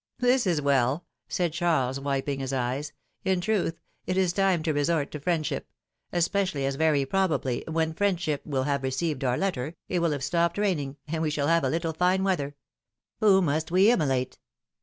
^^This is Vvell! " said Charles, wiping his eyes; ^Mn truth, it is time to resort to friendship ; especially as very probably, when friendship will have received our letter, it will have stopped raining, and we shall have a little fine 'weather. Who must we immolate?"